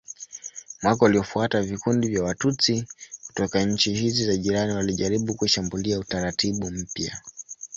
Mwaka uliofuata vikundi vya Watutsi kutoka nchi hizi za jirani walijaribu kushambulia utaratibu mpya.